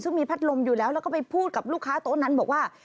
ซึ่งมีพัดลมอยู่แล้วแล้วก็ไปพูดกับลูกค้าโต๊ะนั้นบอกว่า